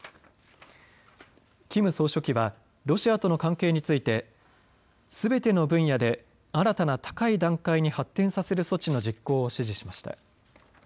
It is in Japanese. キム総書記はロシアとの関係についてすべての分野で新たな高い段階に発展させる措置の実行を指示しました。